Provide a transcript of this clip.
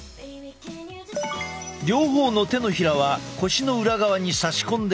両方の手のひらは腰の裏側に差し込んでほしい。